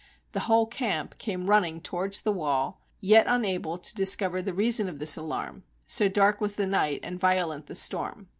The whole camp came running towards the wall, yet unable to discover the reason of this alarm, so dark was the night and violent the storm.